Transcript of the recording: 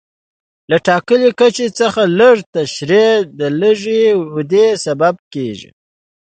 له ټاکلي کچې څخه لږه ترشح د لږې ودې سبب کېږي.